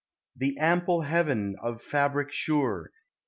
The ample heaven, of fabrick sure.